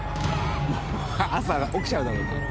朝起きちゃうだろうな。